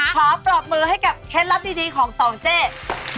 ขอปรบมือให้กับเคล็ดลับดีของสองเจ๊